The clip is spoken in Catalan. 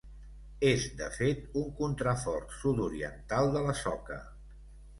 És, de fet, un contrafort sud-oriental de la Soca.